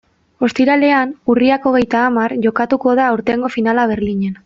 Ostiralean, urriak hogeita hamar, jokatuko da aurtengo finala Berlinen.